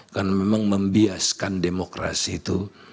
karena memang membiaskan demokrasi itu